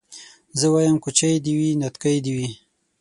زه وايم کوچۍ دي وي نتکۍ دي وي